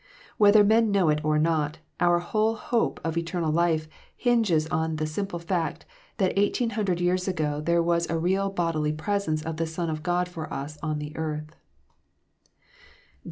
Whether men know it or not, OUT whole hope of eternal life hinges on the simple fact, that eighteen hundred years ago there was a real bodily presence of the Son of God for us on the earth.